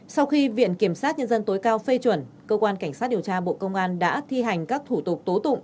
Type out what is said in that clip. sau khi viện kiểm sát nhân dân tối cao phê chuẩn cơ quan cảnh sát điều tra bộ công an đã thi hành các thủ tục tố tụng